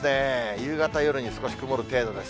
夕方、夜に少し曇る程度です。